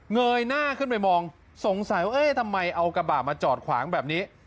เงยหน้าขึ้นไปมองสงสัยว่าเอ๊ะทำไมเอากระบะมาจอดขวางแบบนี้